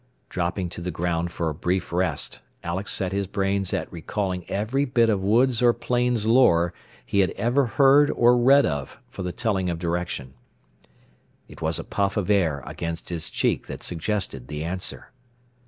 Dropping to the ground for a brief rest, Alex set his brains at recalling every bit of woods or plains lore he had ever heard or read of for the telling of direction. It was a puff of air against his cheek that suggested the answer.